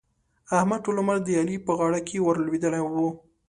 احمد؛ ټول عمر د علي په غاړه کې ور لوېدلی وو.